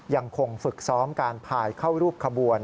ยังคงฝึกซ้อมการพายเข้ารูปขบวน